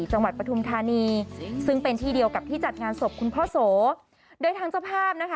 ปฐุมธานีซึ่งเป็นที่เดียวกับที่จัดงานศพคุณพ่อโสโดยทางเจ้าภาพนะคะ